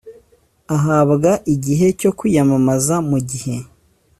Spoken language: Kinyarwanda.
ahabwa igihe cyo kwiyamamaza mu gihe